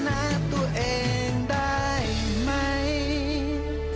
เธอจะชนะตัวเองได้ไหม